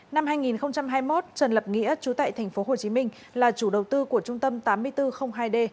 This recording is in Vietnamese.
năm hai nghìn hai mươi một trần lập nghĩa chú tại tp hcm là chủ đầu tư của trung tâm tám nghìn bốn trăm linh hai d